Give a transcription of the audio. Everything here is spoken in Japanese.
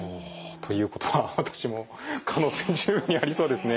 ということは私も可能性十分にありそうですね。